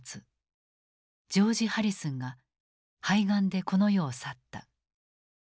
ジョージ・ハリスンが肺がんでこの世を去った。